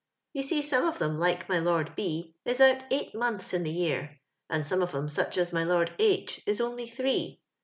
You see some of 'em, like my Lord B , is out eight montlis in tlie year; and some of 'em, such as my Lord H , is only three.